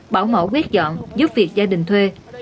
một bảo mẫu ghét dọn giúp việc gia đình thuê